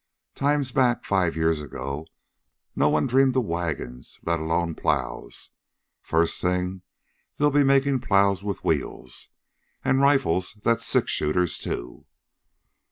Times back, five year ago, no one dreamed o' wagons, let alone plows. Fust thing, they'll be makin' plows with wheels, an' rifles that's six shooters too!"